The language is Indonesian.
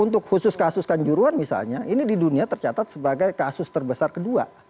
untuk khusus kasus kanjuruan misalnya ini di dunia tercatat sebagai kasus terbesar kedua